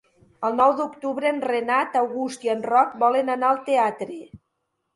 El nou d'octubre en Renat August i en Roc volen anar al teatre.